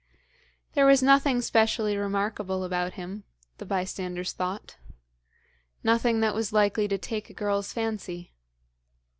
There was nothing specially remarkable about him, the bystanders thought; nothing that was likely to take a girl's fancy.